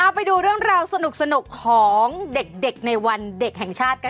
ไปดูเรื่องราวสนุกของเด็กในวันเด็กแห่งชาติกัน